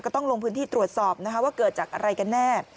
ต้องลงพื้นที่ตรวจสอบนะคะว่าเกิดจากอะไรกันแน่